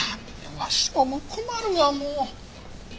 わしも困るわもう。